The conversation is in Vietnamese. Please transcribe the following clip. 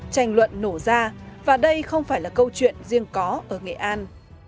tranh luận nổ ra và đây không phải là câu chuyện riêng có ở nghệ an